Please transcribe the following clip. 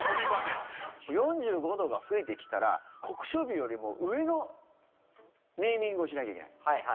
４５度が増えてきたら酷暑日よりも上のネーミングをしなきゃいけない。